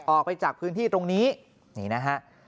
ออกไปจากพื้นที่ตรงนี้นี่นะฮะ